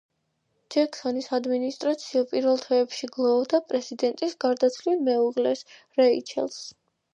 ჯექსონის ადმინისტრაცია პირველი თვეებში გლოვობდა პრეზიდენტის გარდაცვლილ მეუღლეს, რეიჩელს.